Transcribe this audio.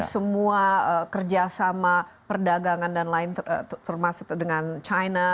semua kerjasama perdagangan dan lain termasuk dengan china